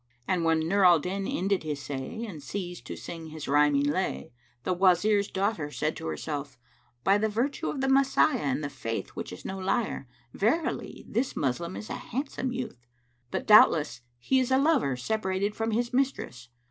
'" And when Nur al Din ended his say and ceased to sing his rhyming lay, the Wazir's daughter said to herself, "By the virtue of the Messiah and the Faith which is no liar, verily this Moslem is a handsome youth! But doubtless he is a lover separated from his mistress.